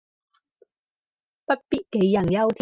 不必杞人憂天